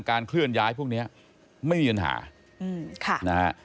การเคลื่อนย้ายพวกนี้ไม่มีปัญหา